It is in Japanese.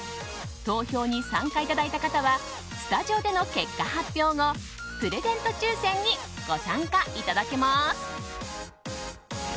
投票に参加いただいた方はスタジオでの結果発表後プレゼント抽選にご参加いただけます。